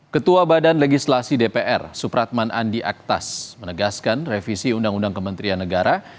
ketua badan legislasi dpr supratman andi aktas menegaskan revisi undang undang kementerian negara